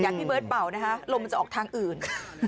อยากให้เบิร์ดป่าวนะครับลมมันจะออกทางอื่น